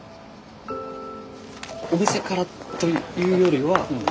お店からというよりは。